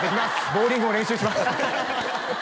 ボウリングも練習します